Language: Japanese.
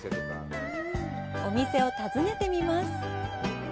お店を訪ねてみます。